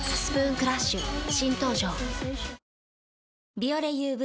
「ビオレＵＶ」